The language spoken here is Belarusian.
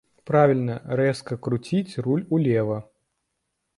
Правільна, рэзка круціць руль улева.